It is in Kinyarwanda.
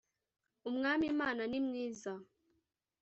umwami mana ni mwiza